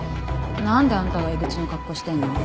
なんであんたがエグチの格好してんの？